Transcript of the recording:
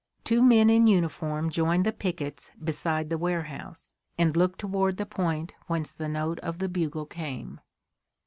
Two men in uniform joined the pickets beside the warehouse, and looked toward the point whence the note of the bugle came.